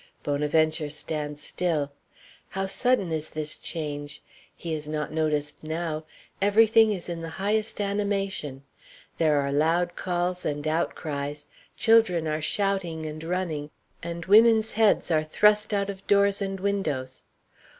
Bonaventure stands still. How sudden is this change! He is not noticed now; every thing is in the highest animation. There are loud calls and outcries; children are shouting and running, and women's heads are thrust out of doors and windows.